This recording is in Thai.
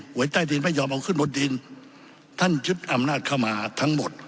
หวยใต้ดินไม่ยอมเอาขึ้นบนดินท่านยึดอำนาจเข้ามาทั้งหมด